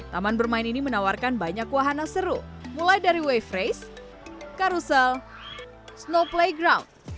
taman bermain ini menawarkan banyak wahana seru mulai dari wave race karusel snow playground